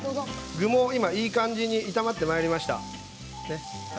具もいい感じに炒まってまいりました。